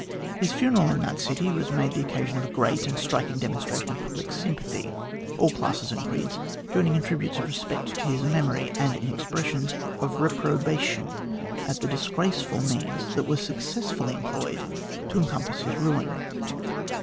His funeral in that city was made the occasion of a great and striking demonstration of public sympathy, all classes and creeds joining in tributes of respect to his memory, and in expressions of reprobation at the disgraceful means that were successfully employed to encompass his ruin.